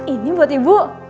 ini buat ibu